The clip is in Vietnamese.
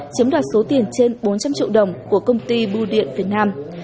chiếm đoạt số tiền trên bốn trăm linh triệu đồng của công ty bưu điện việt nam